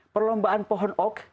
perlombaan pohon ok